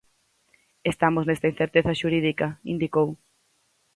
Estamos nesta incerteza xurídica, indicou.